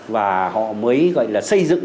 và họ mới gọi là xây dựng